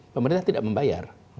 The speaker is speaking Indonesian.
pemerintah tidak membayar